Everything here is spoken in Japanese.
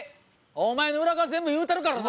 お前の裏側全部言うたるからな。